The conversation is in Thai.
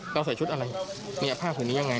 เราใส่ชุดอะไรเนี่ยภาพหุ่นนี้ยังไง